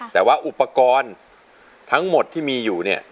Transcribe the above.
แต่ว่าอุปกรณ์ทั้งหมดที่มีอยู่เนี่ย